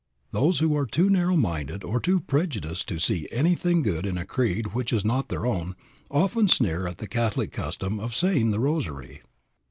Those who are too narrow minded or too prejudiced to see anything good in a creed which is not their own, often sneer at the Catholic custom of "saying the rosary."